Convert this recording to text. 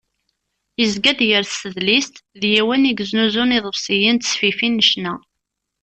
Yezga-d gar tsedlist d yiwen i yeznuzun iḍebsiyen d ttesfifin n ccna.